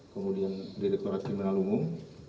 kemudian direkturat kriminal umum